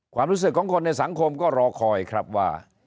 ความรู้สึกของคนในสังคมก็รอคอยครับว่า